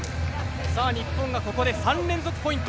日本がここで３連続ポイント。